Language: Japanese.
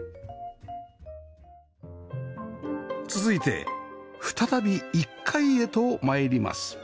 続いて再び１階へと参ります